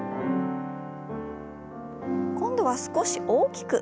今度は少し大きく。